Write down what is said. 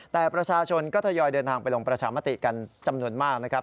แต่ประชาชนก็ทยอยเดินทางไปลงประชามติกันจำนวนมากนะครับ